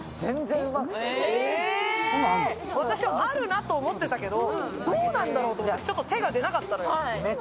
私、あるなと思ってたけど、どうだろうって、ちょっと手が出なかったのよ。